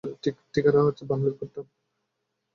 ঠিকানা হচ্ছে ভাল্লুর কুট্টাম?